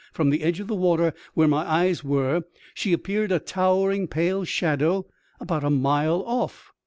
From the edge of the water, where my eyes were, she appeared a towering pale shadow about a mile oflF.